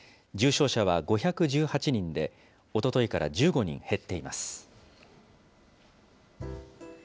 重症者は５１８人で、おとといから１５人減っています。